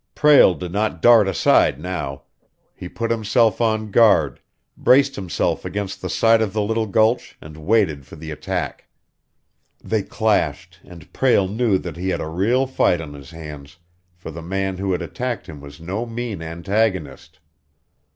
Prale did not dart aside now. He put himself on guard, braced himself against the side of the little gulch, and waited for the attack. They clashed, and Prale knew that he had a real fight on his hands, for the man who had attacked him was no mean antagonist.